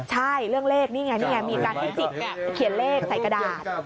ใช่เรื่องเลขนี่ไงนี่ไงมีการให้จิกเขียนเลขใส่กระดาษ